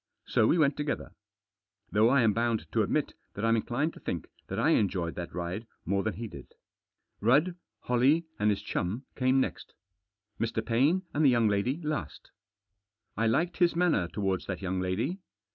So we went together. Though I am bound to admit that I'm inclined to think that I enjoyed that ride more than he did. Rudd, Holley, and his chum came next. Mr. Paine and the young lady last. I liked his manner towards that young lady.